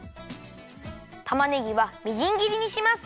たまねぎはみじんぎりにします。